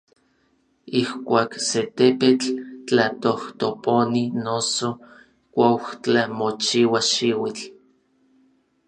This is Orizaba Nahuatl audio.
Ijkuak se tepetl tlatojtoponi noso kuaujtla mochiua xiutl.